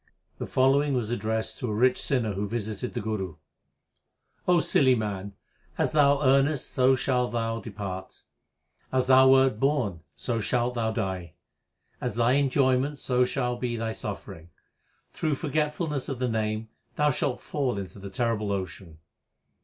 The following was addressed to a rich sinner who visited the Guru : O silly man, as thou earnest so shall thou depart ; as thou wert born so shalt thou die ; As thy enjoyment so shall be thy suffering ; through forgetfulness of the Name thou shalt fall into the terrible ocean.